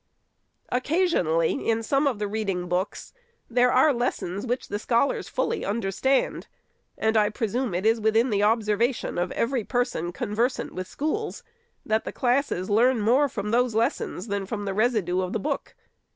Occasionally, in some of the reading books, there are lessons which the scholars fully understand ; and I presume it is within the observation of every person, conversant with schools, that the classes learn more from those lessons than from the residue of the book.